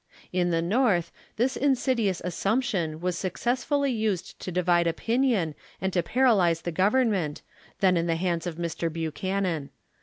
In the Xorth, this insidious assumption was successfully used to divide opinion and to paralyze the Government, then in the hands of Mr. Buchanan.